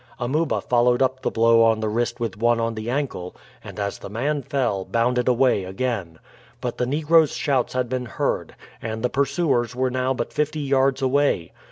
Amuba followed up the blow on the wrist with one on the ankle, and as the man fell, bounded away again. But the negro's shouts had been heard, and the pursuers were now but fifty yards away.